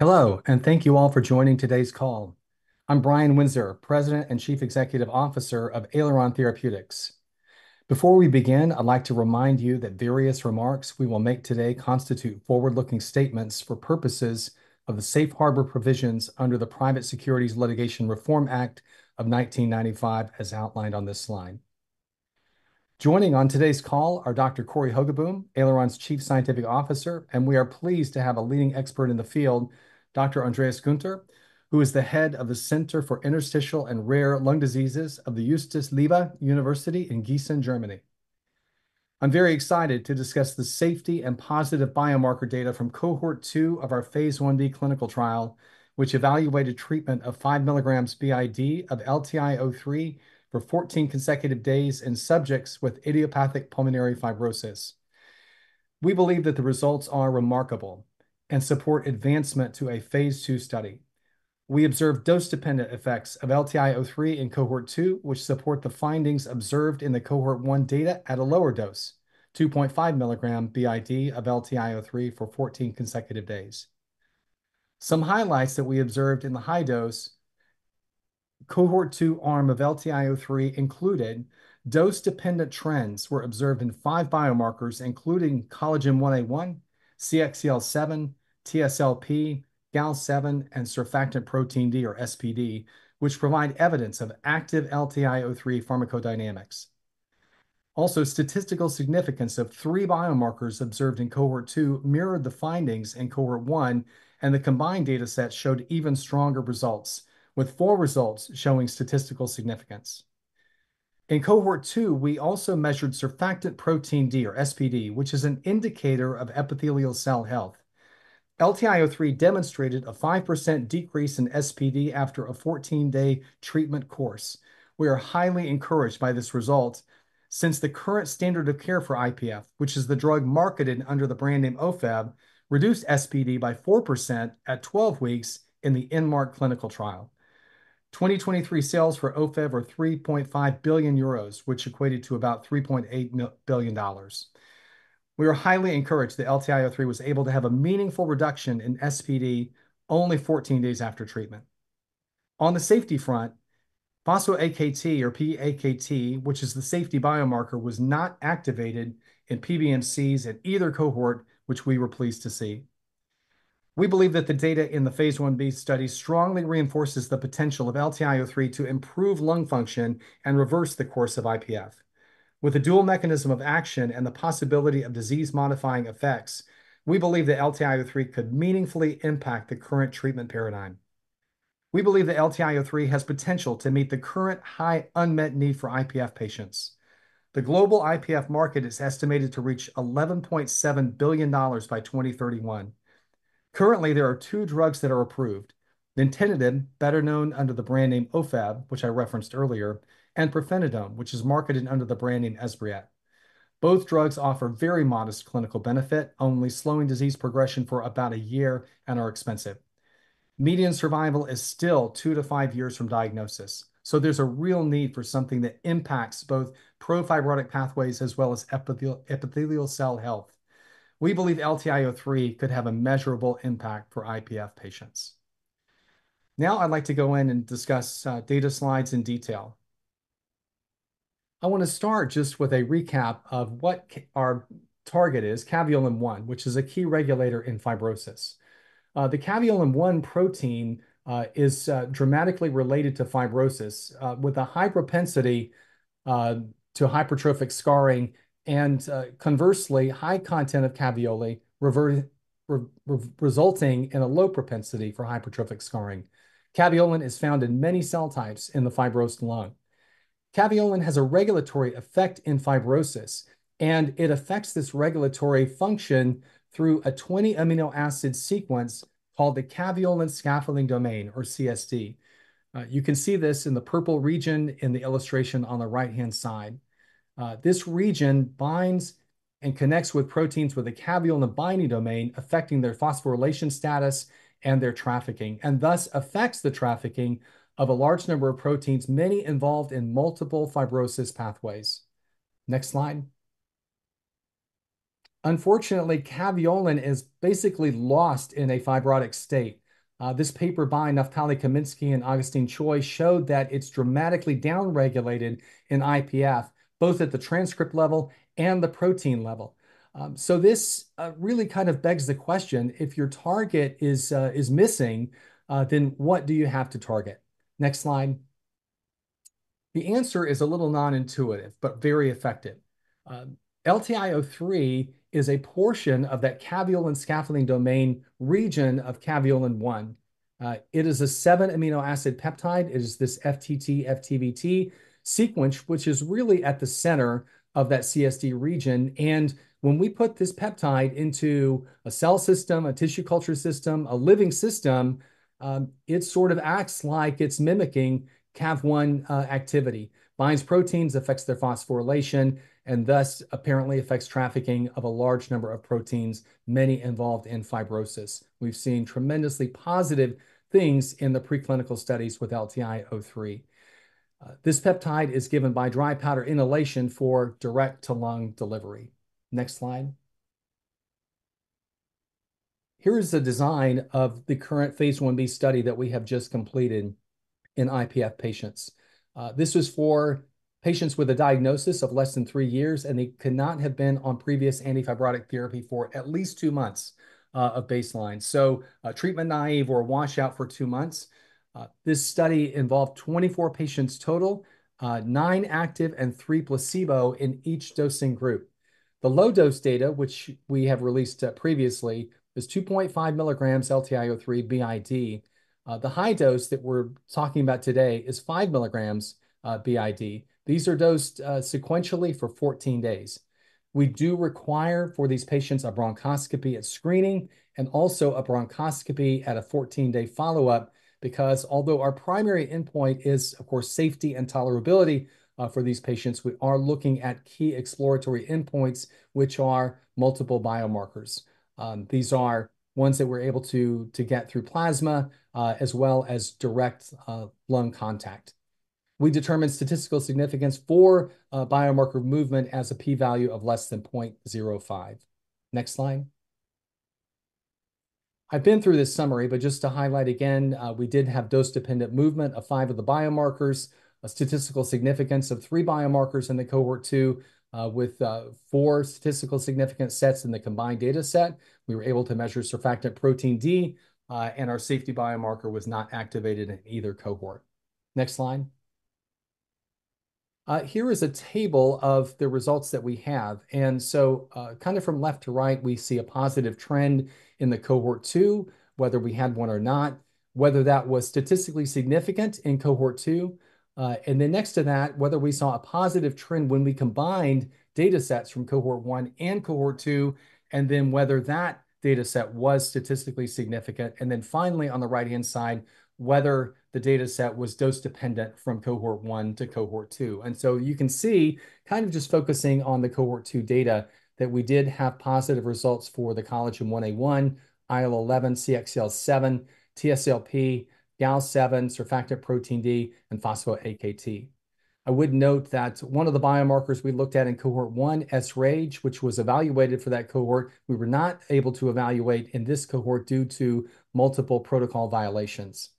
Hello, and thank you all for joining today's call. I'm Brian Windsor, President and Chief Executive Officer of Aileron Therapeutics. Before we begin, I'd like to remind you that various remarks we will make today constitute forward-looking statements for purposes of the safe harbor provisions under the Private Securities Litigation Reform Act of 1995, as outlined on this slide. Joining on today's call are Dr. Cory Hogaboam, Aileron's Chief Scientific Officer, and we are pleased to have a leading expert in the field, Dr. Andreas Günther, who is the Head of the Center for Interstitial and Rare Lung Diseases of the Justus Liebig University in Gießen, Germany. I'm very excited to discuss the safety and positive biomarker data from Cohort 2 of our Phase I-B clinical trial, which evaluated treatment of 5 mg BID of LTI-03 for 14 consecutive days in subjects with idiopathic pulmonary fibrosis. We believe that the results are remarkable and support advancement to a phase II study. We observed dose-dependent effects of LTI-03 in Cohort 2, which support the findings observed in the Cohort 1 data at a lower dose, 2.5 mg BID of LTI-03 for 14 consecutive days. Some highlights that we observed in the high-dose Cohort 2 arm of LTI-03 included dose-dependent trends were observed in five biomarkers, including collagen 1A1, CXCL7, TSLP, GAL7, and surfactant protein D, or SPD, which provide evidence of active LTI-03 pharmacodynamics. Also, statistical significance of three biomarkers observed in Cohort 2 mirrored the findings in Cohort 1, and the combined dataset showed even stronger results, with four results showing statistical significance. In Cohort 2, we also measured surfactant protein D, or SPD, which is an indicator of epithelial cell health. LTI-03 demonstrated a 5% decrease in SPD after a 14-day treatment course. We are highly encouraged by this result since the current standard of care for IPF, which is the drug marketed under the brand name Ofev, reduced SPD by 4% at 12 weeks in the INMARK clinical trial. 2023 sales for OFEV were 3.5 billion euros, which equated to about $3.8 billion. We are highly encouraged that LTI-03 was able to have a meaningful reduction in SPD only 14 days after treatment. On the safety front, phosphorylated AKT, or pAKT, which is the safety biomarker, was not activated in PBMCs in either cohort, which we were pleased to see. We believe that the data in the phase I-B study strongly reinforces the potential of LTI-03 to improve lung function and reverse the course of IPF. With a dual mechanism of action and the possibility of disease-modifying effects, we believe that LTI-03 could meaningfully impact the current treatment paradigm. We believe that LTI-03 has potential to meet the current high unmet need for IPF patients. The global IPF market is estimated to reach $11.7 billion by 2031. Currently, there are two drugs that are approved: nintedanib, better known under the brand name OFEV, which I referenced earlier, and pirfenidone, which is marketed under the brand name Esbriet. Both drugs offer very modest clinical benefit, only slowing disease progression for about a year, and are expensive. Median survival is still two to five years from diagnosis, so there's a real need for something that impacts both pro-fibrotic pathways as well as epithelial cell health. We believe LTI-03 could have a measurable impact for IPF patients. Now, I'd like to go in and discuss data slides in detail. I want to start just with a recap of what our target is: caveolin-1, which is a key regulator in fibrosis. The caveolin-1 protein is dramatically related to fibrosis, with a high propensity to hypertrophic scarring and, conversely, high content of caveolae, resulting in a low propensity for hypertrophic scarring. Caveolin is found in many cell types in the fibrosed lung. Caveolin has a regulatory effect in fibrosis, and it affects this regulatory function through a 20-amino acid sequence called the caveolin scaffolding domain, or CSD. You can see this in the purple region in the illustration on the right-hand side. This region binds and connects with proteins with a caveolin binding domain, affecting their phosphorylation status and their trafficking, and thus affects the trafficking of a large number of proteins, many involved in multiple fibrosis pathways. Next slide. Unfortunately, caveolin is basically lost in a fibrotic state. This paper by Naftali Kaminski and Augustine Choi showed that it's dramatically downregulated in IPF, both at the transcript level and the protein level. So this really kind of begs the question: if your target is missing, then what do you have to target? Next slide. The answer is a little non-intuitive, but very effective. LTI-03 is a portion of that caveolin scaffolding domain region of caveolin-1. It is a seven-amino acid peptide. It is this FTTFTVT sequence, which is really at the center of that CSD region. And when we put this peptide into a cell system, a tissue culture system, a living system, it sort of acts like it's mimicking Cav1 activity, binds proteins, affects their phosphorylation, and thus apparently affects trafficking of a large number of proteins, many involved in fibrosis. We've seen tremendously positive things in the preclinical studies with LTI-03. This peptide is given by dry powder inhalation for direct-to-lung delivery. Next slide. Here is the design of the current phase I-B study that we have just completed in IPF patients. This was for patients with a diagnosis of less than three years, and they could not have been on previous antifibrotic therapy for at least two months of baseline. So treatment naive or washout for two months. This study involved 24 patients total, nine active and three placebo in each dosing group. The low-dose data, which we have released previously, is 2.5 mg LTI-03 BID. The high dose that we're talking about today is 5 mg BID. These are dosed sequentially for 14 days. We do require for these patients a bronchoscopy at screening and also a bronchoscopy at a 14-day follow-up because, although our primary endpoint is, of course, safety and tolerability for these patients, we are looking at key exploratory endpoints, which are multiple biomarkers. These are ones that we're able to get through plasma as well as direct lung contact. We determined statistical significance for biomarker movement as a p-value of less than 0.05. Next slide. I've been through this summary, but just to highlight again, we did have dose-dependent movement of five of the biomarkers, a statistical significance of three biomarkers in the Cohort 2 with four statistical significance sets in the combined dataset. We were able to measure surfactant protein D, and our safety biomarker was not activated in either cohort. Next slide. Here is a table of the results that we have. And so, kind of from left to right, we see a positive trend in the Cohort 2, whether we had one or not, whether that was statistically significant in Cohort 2. And then next to that, whether we saw a positive trend when we combined datasets from Cohort 1 and Cohort 2, and then whether that dataset was statistically significant. And then finally, on the right-hand side, whether the dataset was dose-dependent from Cohort 1 to Cohort 2. And so you can see, kind of just focusing on the Cohort 2 data, that we did have positive results for the collagen 1A1, IL-11, CXCL7, TSLP, GAL7, surfactant protein D, and phosphorylated AKT. I would note that one of the biomarkers we looked at in Cohort 1, sRAGE, which was evaluated for that cohort, we were not able to evaluate in this cohort due to multiple protocol violations.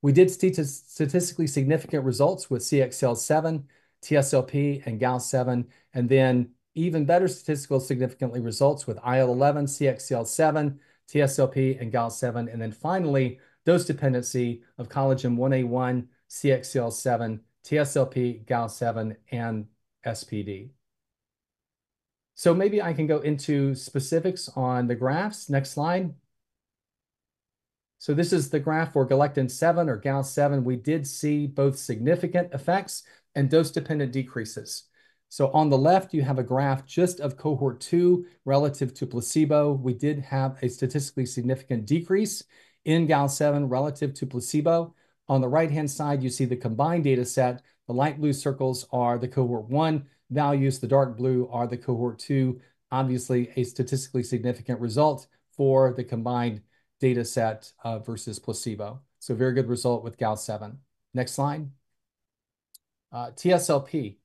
We did see statistically significant results with CXCL7, TSLP, and GAL7, and then even better statistical significance results with IL-11, CXCL7, TSLP, and GAL7, and then finally, dose-dependency of collagen 1A1, CXCL7, TSLP, GAL7, and SPD. So maybe I can go into specifics on the graphs. Next slide. So this is the graph for galectin-7, or GAL7. We did see both significant effects and dose-dependent decreases. So on the left, you have a graph just of cohort two relative to placebo. We did have a statistically significant decrease in GAL7 relative to placebo. On the right-hand side, you see the combined dataset. The light blue circles are the cohort one values. The dark blue are the cohort two, obviously a statistically significant result for the combined dataset versus placebo. So very good result with GAL7. Next slide. TSLP,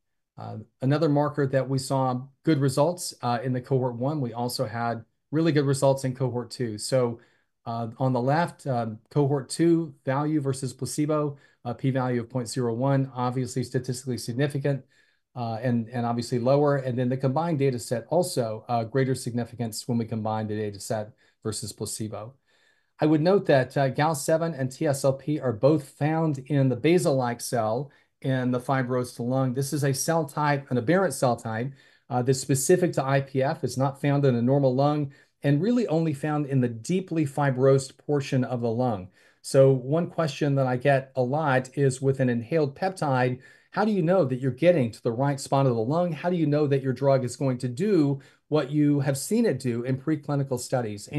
another marker that we saw good results in the Cohort 1. We also had really good results in Cohort 2. So on the left, Cohort 2 value versus placebo, p-value of 0.01, obviously statistically significant and obviously lower, and then the combined dataset also greater significance when we combine the dataset versus placebo. I would note that GAL7 and TSLP are both found in the basal-like cell in the fibrosed lung. This is a cell type, an aberrant cell type. This is specific to IPF, is not found in a normal lung, and really only found in the deeply fibrosed portion of the lung, so one question that I get a lot is, with an inhaled peptide, how do you know that you're getting to the right spot of the lung? How do you know that your drug is going to do what you have seen it do in preclinical studies?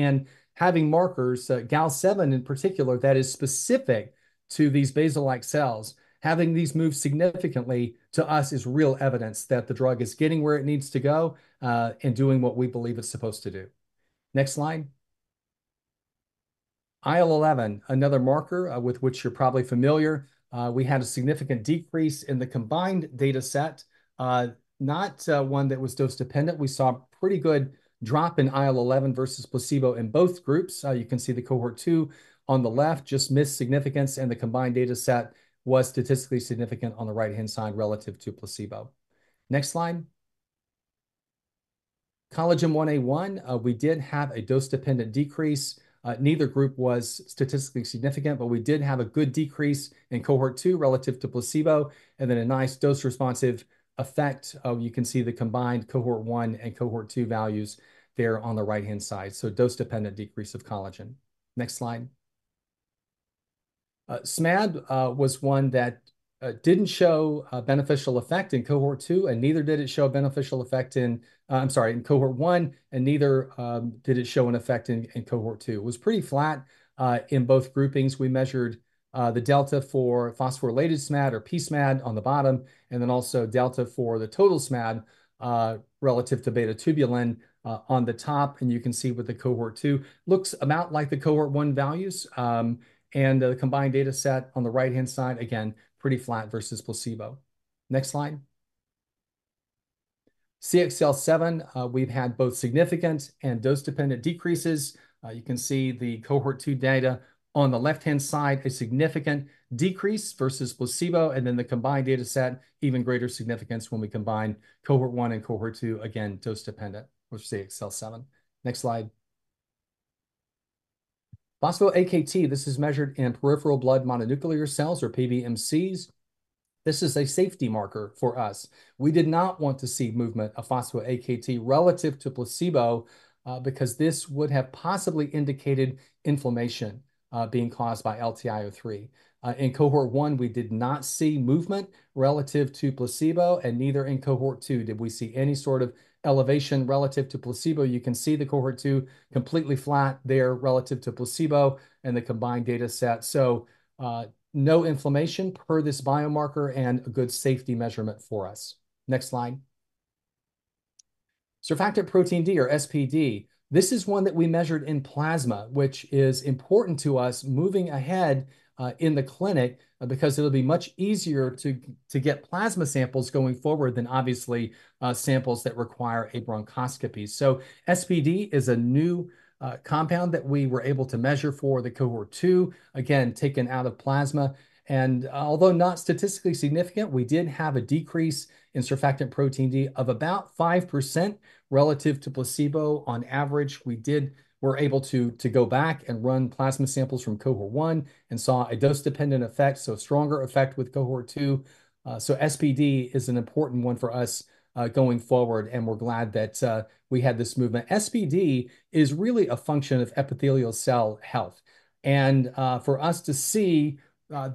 Having markers, GAL7 in particular, that is specific to these basal-like cells, having these move significantly to us is real evidence that the drug is getting where it needs to go and doing what we believe it's supposed to do. Next slide. IL-11, another marker with which you're probably familiar. We had a significant decrease in the combined dataset, not one that was dose-dependent. We saw a pretty good drop in IL-11 versus placebo in both groups. You can see the cohort 2 on the left just missed significance, and the combined dataset was statistically significant on the right-hand side relative to placebo. Next slide. Collagen 1A1, we did have a dose-dependent decrease. Neither group was statistically significant, but we did have a good decrease in Cohort 2 relative to placebo, and then a nice dose-responsive effect. You can see the combined Cohort 1 and Cohort 2 values there on the right-hand side, so dose-dependent decrease of collagen. Next slide. SMAD was one that didn't show a beneficial effect in Cohort 2, and neither did it show a beneficial effect in, I'm sorry, in Cohort 1, and neither did it show an effect in Cohort 2. It was pretty flat in both groupings. We measured the delta for phosphorylated SMAD or pSMAD on the bottom, and then also delta for the total SMAD relative to beta-tubulin on the top, and you can see with the cohort two, looks about like the cohort one values, and the combined dataset on the right-hand side, again, pretty flat versus placebo. Next slide. CXCL7, we've had both significant and dose-dependent decreases. You can see the Cohort 2 data on the left-hand side, a significant decrease versus placebo, and then the combined dataset, even greater significance when we combine Cohort 1 and Cohort 2, again, dose-dependent, which is CXCL7. Next slide. Phosphorylated AKT, this is measured in peripheral blood mononuclear cells, or PBMCs. This is a safety marker for us. We did not want to see movement of phosphorylated AKT relative to placebo because this would have possibly indicated inflammation being caused by LTI-03. In Cohort 1, we did not see movement relative to placebo, and neither in Cohort 2 did we see any sort of elevation relative to placebo. You can see the Cohort 2 completely flat there relative to placebo and the combined dataset. So no inflammation per this biomarker and a good safety measurement for us. Next slide. Surfactant protein D, or SPD. This is one that we measured in plasma, which is important to us moving ahead in the clinic because it'll be much easier to get plasma samples going forward than, obviously, samples that require a bronchoscopy. SPD is a new compound that we were able to measure for the Cohort 2, again, taken out of plasma. Although not statistically significant, we did have a decrease in surfactant protein D of about 5% relative to placebo. On average, we're able to go back and run plasma samples from Cohort 1 and saw a dose-dependent effect, so a stronger effect with Cohort 2. SPD is an important one for us going forward, and we're glad that we had this movement. SPD is really a function of epithelial cell health. And for us to see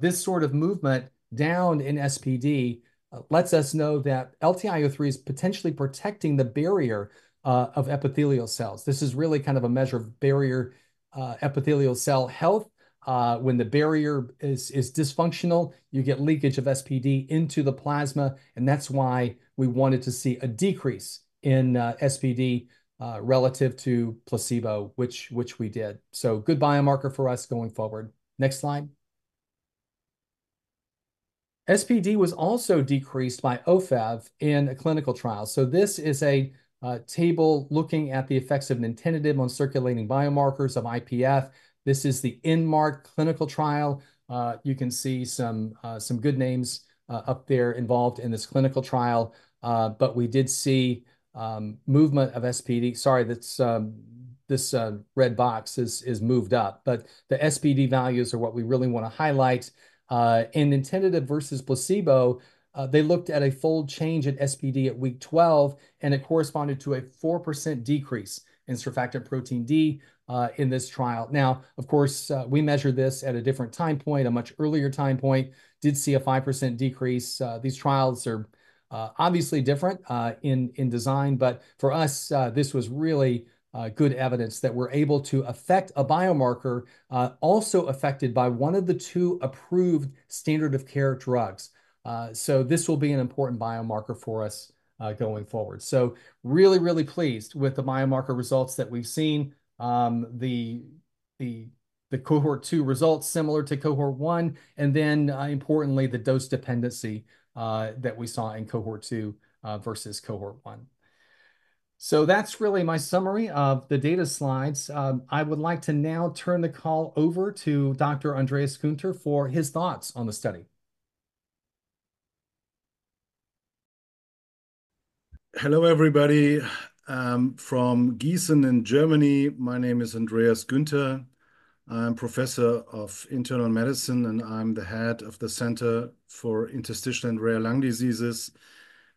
this sort of movement down in SPD lets us know that LTI-03 is potentially protecting the barrier of epithelial cells. This is really kind of a measure of barrier epithelial cell health. When the barrier is dysfunctional, you get leakage of SPD into the plasma, and that's why we wanted to see a decrease in SPD relative to placebo, which we did, so good biomarker for us going forward. Next slide. SPD was also decreased by OFEV in a clinical trial, so this is a table looking at the effects of nintedanib on circulating biomarkers of IPF. This is the INMARK clinical trial. You can see some good names up there involved in this clinical trial, but we did see movement of SPD. Sorry, this red box is moved up, but the SPD values are what we really want to highlight. In nintedanib versus placebo, they looked at a fold change in SPD at week 12, and it corresponded to a 4% decrease in surfactant protein D in this trial. Now, of course, we measured this at a different time point, a much earlier time point, did see a 5% decrease. These trials are obviously different in design, but for us, this was really good evidence that we're able to affect a biomarker also affected by one of the two approved standard of care drugs. So this will be an important biomarker for us going forward. So really, really pleased with the biomarker results that we've seen, the Cohort 2 results similar to Cohort 1, and then importantly, the dose dependency that we saw in Cohort 2 versus Cohort 1. So that's really my summary of the data slides. I would like to now turn the call over to Dr. Andreas Günther for his thoughts on the study. Hello everybody. From Gießen in Germany, my name is Andreas Günther. I'm Professor of Internal Medicine, and I'm the Head of the Center for Interstitial and Rare Lung Diseases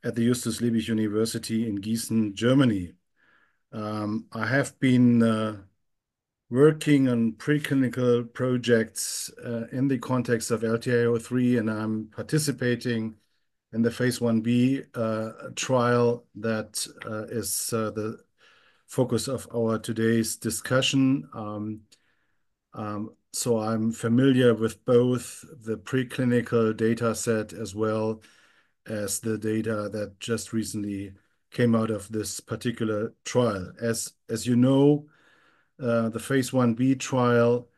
at the Justus Liebig University in Gießen, Germany. I have been working on preclinical projects in the context of LTI-03, and I'm participating in the phase I-B trial that is the focus of our today's discussion. So I'm familiar with both the preclinical dataset as well as the data that just recently came out of this particular trial. As you know, the phase I-B trial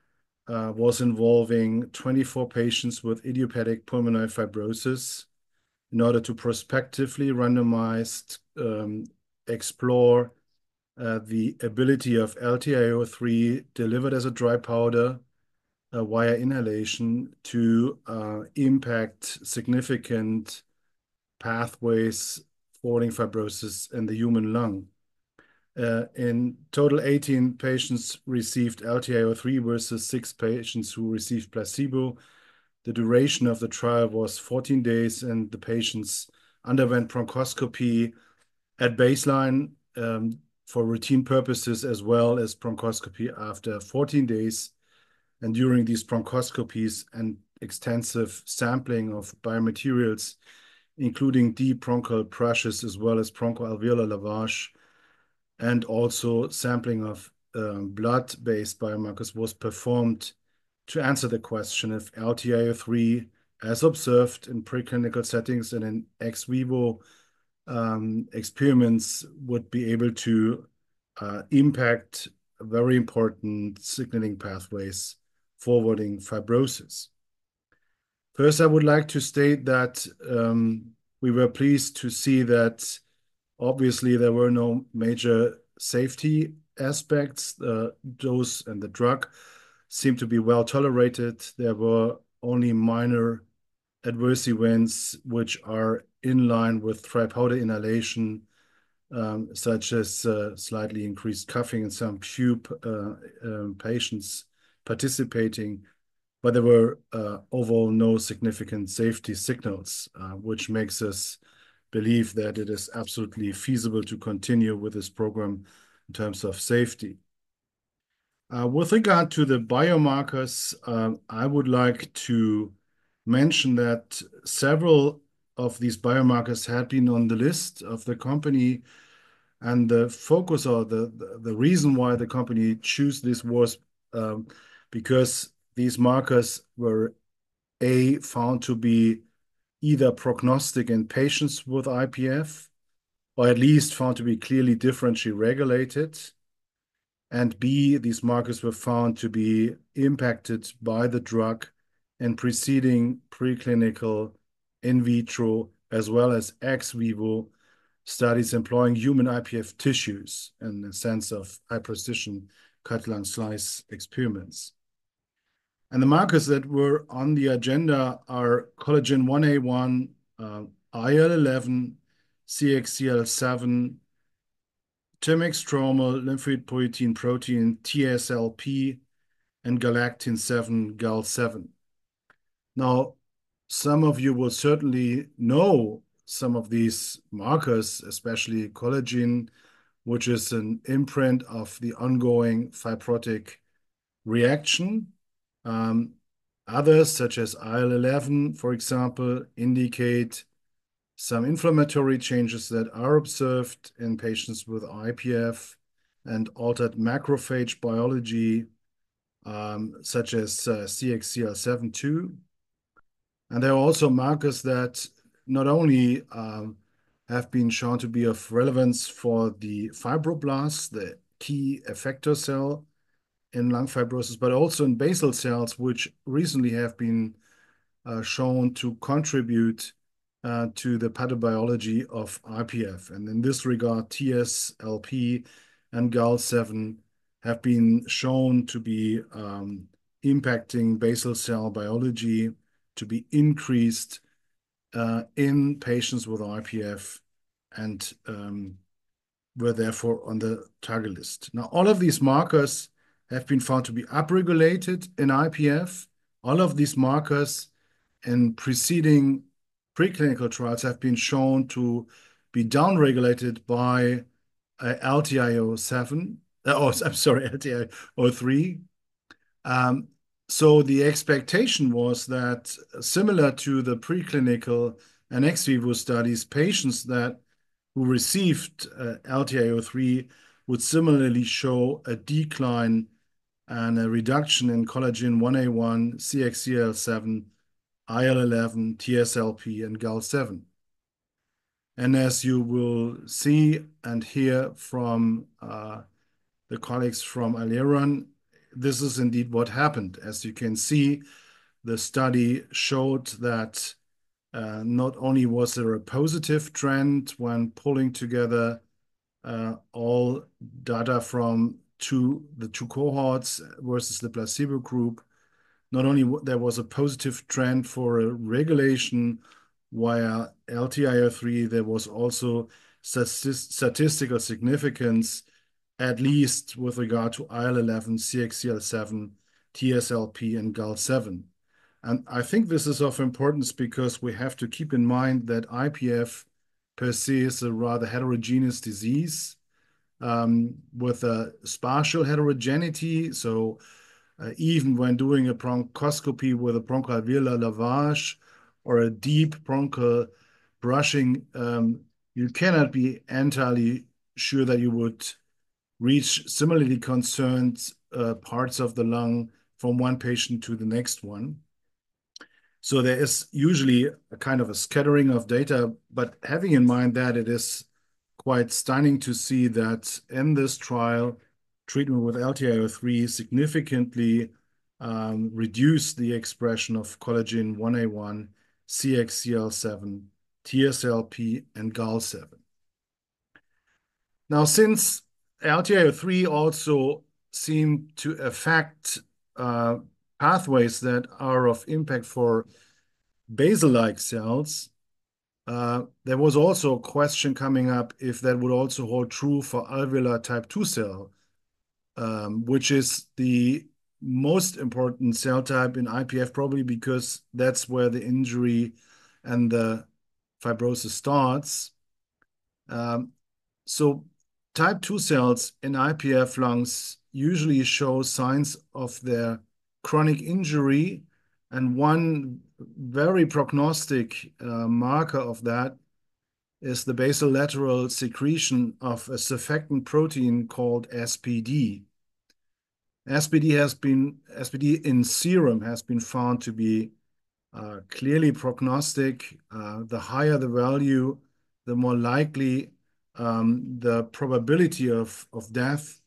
was involving 24 patients with idiopathic pulmonary fibrosis in order to prospectively randomized explore the ability of LTI-03 delivered as a dry powder via inhalation to impact significant pathways for fibrosis in the human lung. In total, 18 patients received LTI-03 versus six patients who received placebo. The duration of the trial was 14 days, and the patients underwent bronchoscopy at baseline for routine purposes as well as bronchoscopy after 14 days. During these bronchoscopies and extensive sampling of biomaterials, including deep bronchial biopsies as well as bronchoalveolar lavage, and also sampling of blood-based biomarkers was performed to answer the question if LTI-03, as observed in preclinical settings and in ex vivo experiments, would be able to impact very important signaling pathways forwarding fibrosis. First, I would like to state that we were pleased to see that obviously there were no major safety aspects. The dose and the drug seemed to be well tolerated. There were only minor adverse events, which are in line with dry powder inhalation, such as slightly increased coughing in some pulmonary patients participating, but there were overall no significant safety signals, which makes us believe that it is absolutely feasible to continue with this program in terms of safety. With regard to the biomarkers, I would like to mention that several of these biomarkers had been on the list of the company, and the focus or the reason why the company chose this was because these markers were, A, found to be either prognostic in patients with IPF, or at least found to be clearly differentially regulated, and B, these markers were found to be impacted by the drug in preceding preclinical in vitro as well as ex vivo studies employing human IPF tissues in the sense of high precision-cut lung slice experiments. The markers that were on the agenda are collagen 1A1, IL-11, CXCL7, thymic stromal lymphopoietin, TSLP, and galectin-7, GAL7. Now, some of you will certainly know some of these markers, especially collagen, which is an imprint of the ongoing fibrotic reaction. Others, such as IL-11, for example, indicate some inflammatory changes that are observed in patients with IPF and altered macrophage biology, such as CXCL7. There are also markers that not only have been shown to be of relevance for the fibroblasts, the key effector cell in lung fibrosis, but also in basal cells, which recently have been shown to contribute to the pathobiology of IPF. In this regard, TSLP and GAL7 have been shown to be impacting basal cell biology to be increased in patients with IPF and were therefore on the target list. Now, all of these markers have been found to be upregulated in IPF. All of these markers in preceding preclinical trials have been shown to be downregulated by LTI-07, oh, I'm sorry, LTI-03. The expectation was that, similar to the preclinical and ex vivo studies, patients who received LTI-03 would similarly show a decline and a reduction in collagen 1A1, CXCL7, IL-11, TSLP, and GAL7. As you will see and hear from the colleagues from Aileron, this is indeed what happened. As you can see, the study showed that not only was there a positive trend when pulling together all data from the two cohorts versus the placebo group, there was a positive trend for a regulation via LTI-03, there was also statistical significance, at least with regard to IL-11, CXCL7, TSLP, and GAL7. And I think this is of importance because we have to keep in mind that IPF perceives a rather heterogeneous disease with a spatial heterogeneity. So even when doing a bronchoscopy with a bronchoalveolar lavage or a deep bronchial brushing, you cannot be entirely sure that you would reach similarly concerned parts of the lung from one patient to the next one. So there is usually a kind of a scattering of data, but having in mind that it is quite stunning to see that in this trial, treatment with LTI-03 significantly reduced the expression of collagen 1A1, CXCL7, TSLP, and GAL7. Now, since LTI-03 also seemed to affect pathways that are of impact for basal-like cells, there was also a question coming up if that would also hold true for alveolar type 2 cell, which is the most important cell type in IPF, probably because that's where the injury and the fibrosis starts. So type 2 cells in IPF lungs usually show signs of their chronic injury, and one very prognostic marker of that is the basolateral secretion of a surfactant protein called SPD. SPD in serum has been found to be clearly prognostic. The higher the value, the more likely the probability of death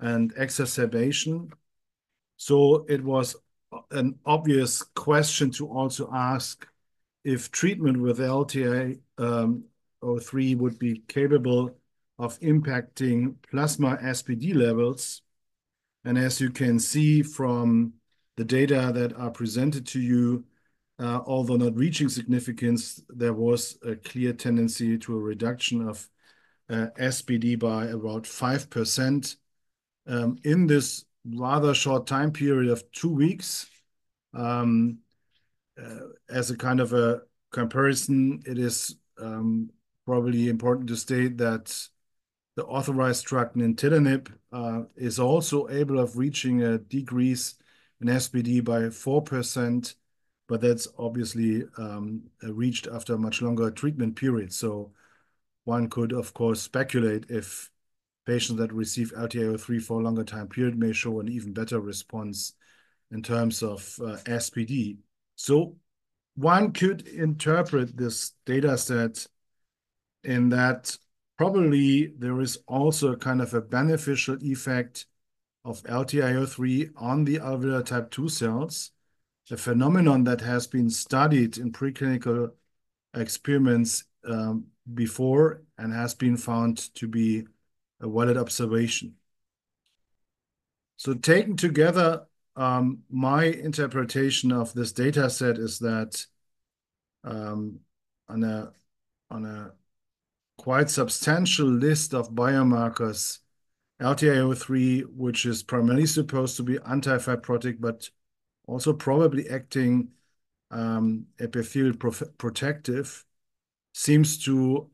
and exacerbation. So it was an obvious question to also ask if treatment with LTI-03 would be capable of impacting plasma SPD levels. As you can see from the data that are presented to you, although not reaching significance, there was a clear tendency to a reduction of SPD by about 5% in this rather short time period of two weeks. As a kind of a comparison, it is probably important to state that the authorized drug nintedanib is also able of reaching a decrease in SPD by 4%, but that's obviously reached after a much longer treatment period. One could, of course, speculate if patients that receive LTI-03 for a longer time period may show an even better response in terms of SPD. One could interpret this dataset in that probably there is also a kind of a beneficial effect of LTI-03 on the alveolar type 2 cells, a phenomenon that has been studied in preclinical experiments before and has been found to be a valid observation. Taken together, my interpretation of this dataset is that on a quite substantial list of biomarkers, LTI-03, which is primarily supposed to be anti-fibrotic but also probably acting epithelial protective, seems to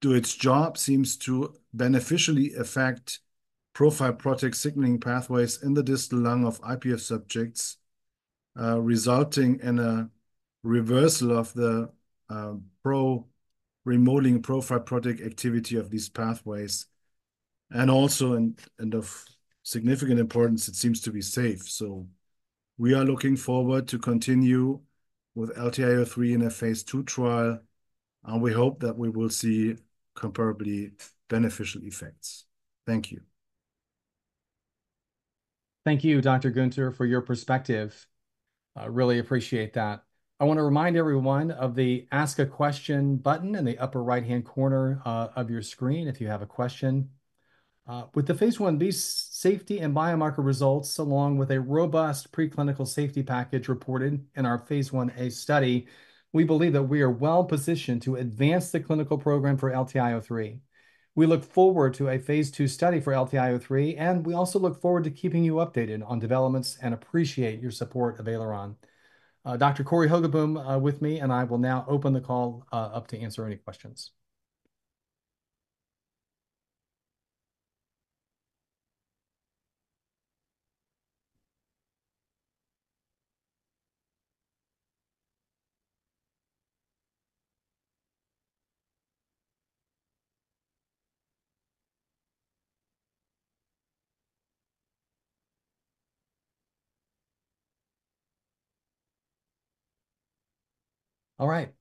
do its job, seems to beneficially affect pro-fibrotic signaling pathways in the distal lung of IPF subjects, resulting in a reversal of the pro-remodeling pro-fibrotic activity of these pathways. And also, of significant importance, it seems to be safe. We are looking forward to continue with LTI-03 in a phase II trial, and we hope that we will see comparably beneficial effects. Thank you. Thank you, Dr. Günther, for your perspective. Really appreciate that. I want to remind everyone of the Ask a Question button in the upper right-hand corner of your screen if you have a question. With the phase I-B safety and biomarker results, along with a robust preclinical safety package reported in our phase I-A study, we believe that we are well positioned to advance the clinical program for LTI-03. We look forward to a phase II study for LTI-03, and we also look forward to keeping you updated on developments and appreciate your support of Aileron. Dr. Cory Hogaboam with me, and I will now open the call up to answer any questions. All right.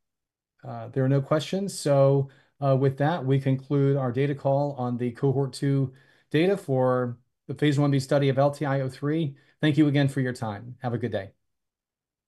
There are no questions. So with that, we conclude our data call on the cohort two data for the phase I-B study of LTI-03. Thank you again for your time. Have a good day.